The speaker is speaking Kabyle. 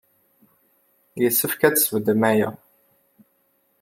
Yessefk ad tesbeddem aya.